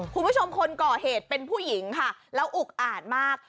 คุณผู้ชมคนเกาะเหตุเป็นผู้หญิงค่ะแล้วอุ้งอดมาก